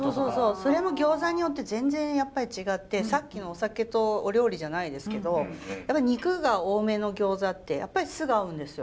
それも餃子によって全然やっぱり違ってさっきのお酒とお料理じゃないですけど肉が多めの餃子ってやっぱり酢が合うんですよ。